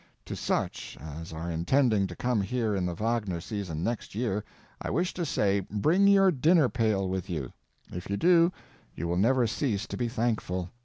To such as are intending to come here in the Wagner season next year I wish to say, bring your dinner pail with you. If you do, you will never cease to be thankful.